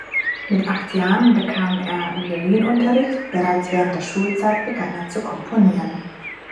Mit acht Jahren bekam er Violinunterricht, bereits während der Schulzeit begann er zu komponieren.